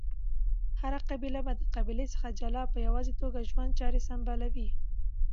هره قبیله به د قبیلی څخه جلا په یواځی توګه ژوند چاری سمبالولی